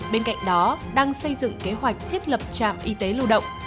bên cạnh đó đang xây dựng kế hoạch thiết lập trạm y tế lưu động